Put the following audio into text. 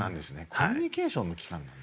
コミュニケーションの期間なんだ。